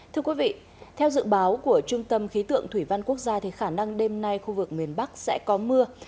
thưa quý vị theo dự báo của trung tâm khí tượng thủy văn quốc gia khả năng đêm nay khu vực miền bắc sẽ có mưa